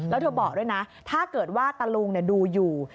แล้วเธอบอกด้วยนะถ้าเกิดว่าตะลุงดูอยู่